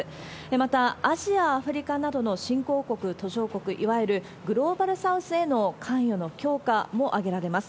また、アジア、アフリカなどの新興国、途上国、いわゆるグローバルサウスへの関与の強化も挙げられます。